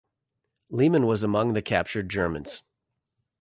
Lehmann was among the captured Germans.